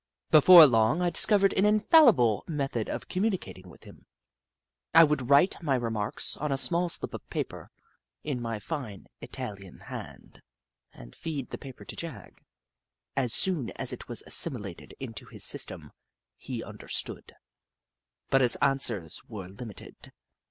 Before long I discovered an infallible method of communicating with him. I would write Jagg, the Skootaway Goat 41 my remarks on a small slip of paper, in my fine Italian hand, and feed the paper to Jagg. As soon as it was assimilated into his system, he understood, but his answers were limited.